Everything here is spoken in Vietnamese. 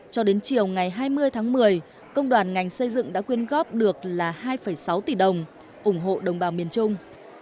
cho đến chiều ngày hai mươi tháng một mươi công đoàn ngành xây dựng đã quyên góp được là hai sáu tỷ đồng ủng hộ đồng bào miền trung